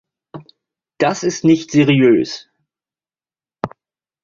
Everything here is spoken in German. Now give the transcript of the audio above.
Das ist nicht seriös.